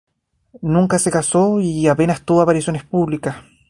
Nunca se casó, y apenas tuvo apariciones públicas.